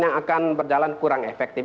yang akan berjalan kurang efektif